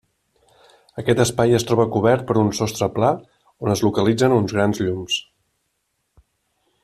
Aquest espai es troba cobert per un sostre pla on es localitzen uns grans llums.